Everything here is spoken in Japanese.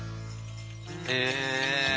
へえ。